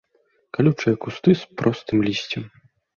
Калючыя кусты з простым лісцем.